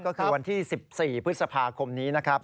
ก็คือวันที่๑๔พฤษภาคมนี้นะครับ